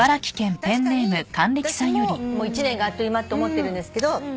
確かに私も１年があっという間と思ってるんですけど。